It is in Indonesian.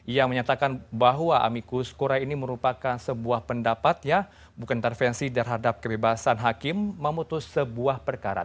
ia menyatakan bahwa amikus kurai ini merupakan sebuah pendapat ya bukan intervensi terhadap kebebasan hakim memutus sebuah perkara